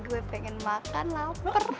gue pengen makan lalapur